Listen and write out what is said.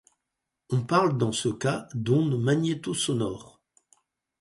On parle dans ce cas d'onde magnétosonore.